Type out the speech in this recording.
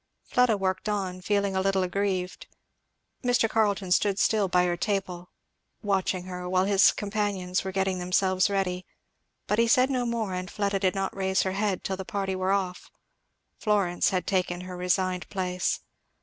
Fleda worked on, feeling a little aggrieved. Mr. Carleton stood still by her table, watching her, while his companions were getting themselves ready; but he said no more, and Fleda did not raise her head till the party were off. Florence had taken her resigned place.